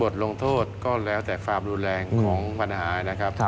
ลงโทษก็แล้วแต่ความรุนแรงของปัญหานะครับ